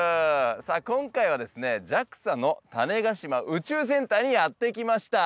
さあ今回はですねＪＡＸＡの種子島宇宙センターにやって来ました。